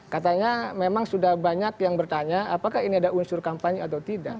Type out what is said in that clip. katanya memang sudah banyak yang bertanya apakah ini ada unsur kampanye atau tidak